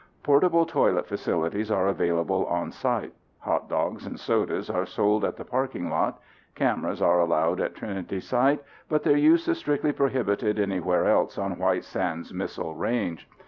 Portable toilet facilities are available on site. Hot dogs and sodas are sold at the parking lot. Cameras are allowed at Trinity Site, but their use is strictly prohibited anywhere else on White Sands Missile Range.